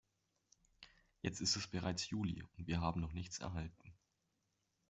Jetzt ist bereits Juli, und wir haben noch nichts erhalten.